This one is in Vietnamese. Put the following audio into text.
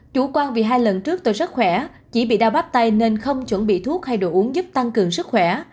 chủ quan vì hai lần trước tôi rất khỏe chỉ bị đau bắp tay nên không chuẩn bị thuốc hay đồ uống giúp tăng cường sức khỏe